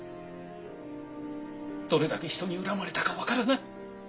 どれだけ人に恨まれたかわからない。